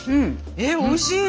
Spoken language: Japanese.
えっおいしい！